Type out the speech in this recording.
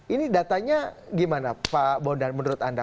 ini datanya gimana pak bondan menurut anda